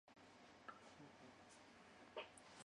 メガネ